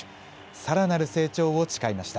さらなる成長を誓いました。